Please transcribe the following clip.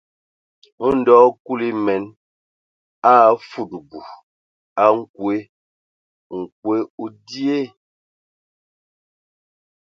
Ndɔ Kulu emen a afudubu a nkwe: nkwe o dzyee.